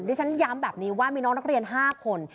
ที่ฉันย้ำแบบนี้ว่ามีน้องนักเรียน๕คน